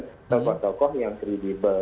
tokoh tokoh yang kredibel